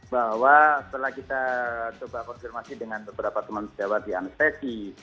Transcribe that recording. bahwa setelah kita coba konfirmasi dengan beberapa teman sejawat di anestesi